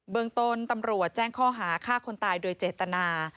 เมืองต้นตำรวจแจ้งข้อหาฆ่าคนตายโดยเจตนา